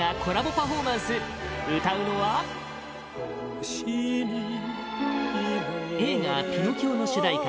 パフォーマンス歌うのは映画「ピノキオ」の主題歌